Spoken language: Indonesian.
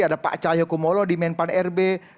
ada pak cahyokumolo di menpan rb